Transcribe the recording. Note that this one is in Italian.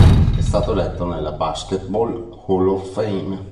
È stato eletto nella Basketball Hall of Fame.